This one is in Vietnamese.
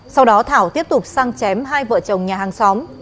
sau đó thảo tiếp tục sang chém hai vợ chồng nhà hàng xóm